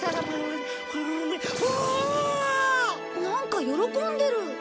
なんか喜んでる。